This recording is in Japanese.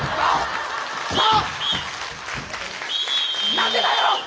何でだよ！